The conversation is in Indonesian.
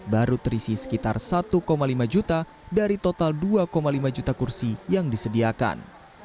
baru terisi sekitar satu lima juta dari total dua lima juta kursi yang disediakan